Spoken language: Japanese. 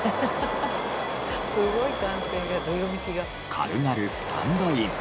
軽々スタンドイン。